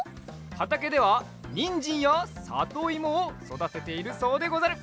はたけではにんじんやさといもをそだてているそうでござる。